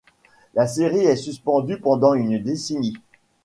La Série est suspendue pendant une décennie.